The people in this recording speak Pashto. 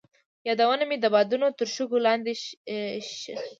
یادونه مې د بادونو تر شګو لاندې ښخې دي.